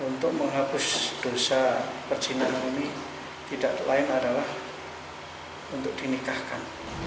untuk menghapus dosa perjinaan ini tidak lain adalah untuk dinikahkan